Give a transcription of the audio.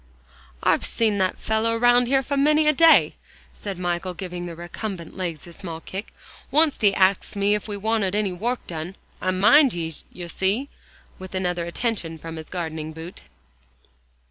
"I've seen that fellow round here for many a day," said Michael, giving the recumbent legs a small kick. "Oncet he axed me ef we wanted ony wourk done. I mind yees, yer see," with another attention from his gardening boot.